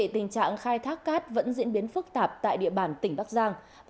tình trạng khai thác cát vẫn diễn biến phức tạp tại địa bàn tỉnh bắc giang